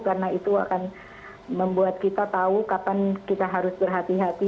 karena itu akan membuat kita tahu kapan kita harus berhati hati